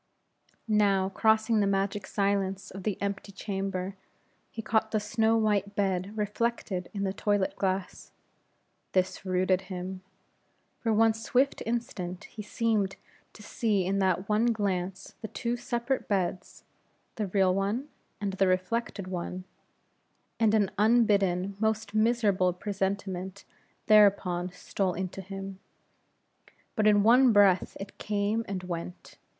Now, crossing the magic silence of the empty chamber, he caught the snow white bed reflected in the toilet glass. This rooted him. For one swift instant, he seemed to see in that one glance the two separate beds the real one and the reflected one and an unbidden, most miserable presentiment thereupon stole into him. But in one breath it came and went.